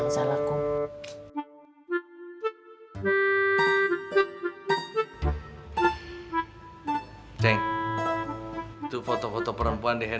nggak jadi berata mundur